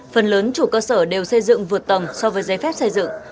phần lớn chủ cơ sở đều xây dựng vượt tầng so với giấy phép xây dựng